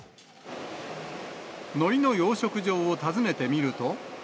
のりの養殖場を訪ねてみると。